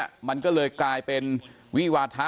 ก็ได้รู้สึกว่ามันกลายเป้าหมาย